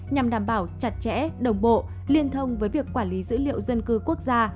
nhằm đảm bảo chặt chẽ đồng bộ liên thông với việc quản lý dữ liệu dân cư quốc gia